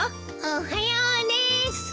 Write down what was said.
おはようです。